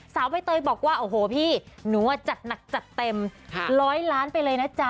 ใบเตยบอกว่าโอ้โหพี่หนูจัดหนักจัดเต็มร้อยล้านไปเลยนะจ๊ะ